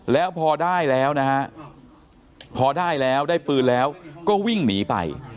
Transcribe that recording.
แล้วพอได้แล้วนะฮะพอได้แล้วได้ปืนแล้วก็วิ่งหนีไป